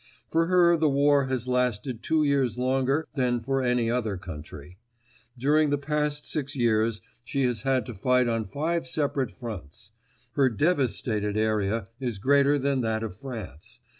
For her the war has lasted two years longer than for any other country. During the past six years she has had to fight on five separate fronts. Her devastated area is greater than that of France.